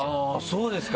そうですか！